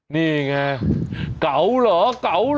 นี่ไงเก๋าเหรอเก๋าเหรอ